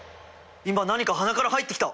今何か鼻から入ってきた！